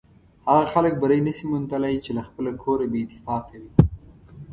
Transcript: هغه خلک بری نشي موندلی چې له خپله کوره بې اتفاقه وي.